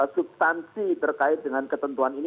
substansi terkait dengan ketentuan ini